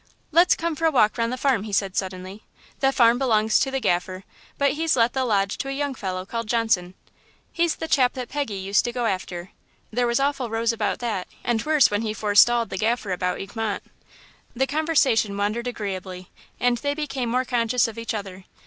Let's come for a walk round the farm," he said suddenly. "The farm belongs to the Gaffer, but he's let the Lodge to a young fellow called Johnson. He's the chap that Peggy used to go after there was awful rows about that, and worse when he forestalled the Gaffer about Egmont." The conversation wandered agreeably, and they became more conscious of each other.